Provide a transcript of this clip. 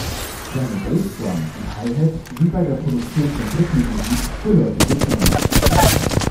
Seine Bass Drum und Hi-Hat sind bei der Produktion von Techno-Musik geläufige Klänge.